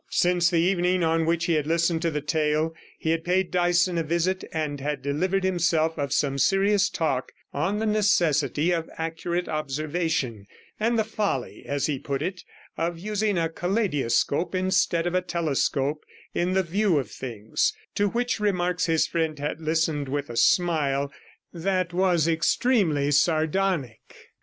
Since the evening on which he had listened to the tale he had paid Dyson a visit, and had delivered himself of some serious talk on the necessity of accurate observation, and the folly, as he put it, of using a kaleidoscope instead of a telescope in the view of things, to which remarks his friend had listened with a smile that was extremely sardonic.